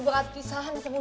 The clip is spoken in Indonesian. turun dong lama lama mami